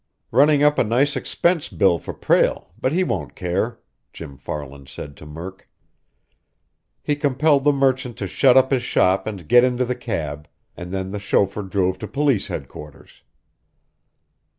"Running up a nice expense bill for Prale, but he won't care," Jim Farland said to Murk. He compelled the merchant to shut up his shop and get into the cab, and then the chauffeur drove to police headquarters.